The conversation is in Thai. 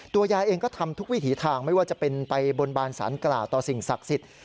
ยายเองก็ทำทุกวิถีทางไม่ว่าจะเป็นไปบนบานสารกล่าวต่อสิ่งศักดิ์สิทธิ์